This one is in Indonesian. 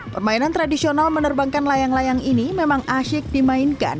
permainan tradisional menerbangkan layang layang ini memang asyik dimainkan